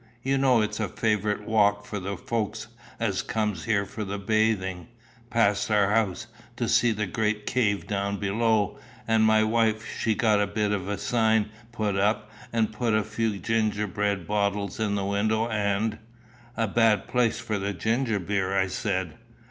You know it's a favourite walk for the folks as comes here for the bathing past our house, to see the great cave down below; and my wife, she got a bit of a sign put up, and put a few ginger beer bottles in the window, and " "A bad place for the ginger beer," I said.